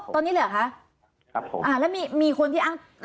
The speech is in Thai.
อ๋อตอนนี้เหรอคะ